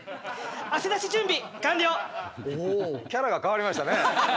キャラが変わりましたね。